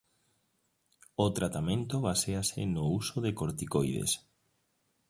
O tratamento baséase no uso de corticoides.